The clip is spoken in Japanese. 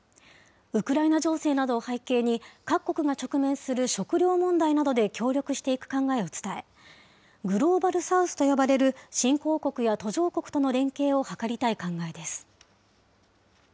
ウクライナ情勢などを背景に、各国が直面する食料問題などで協力していく考えを伝え、グローバル・サウスと呼ばれる新興国や途上国との連携を図りたい考えです。